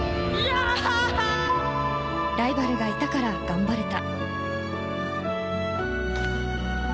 ライバルがいたから頑張れた。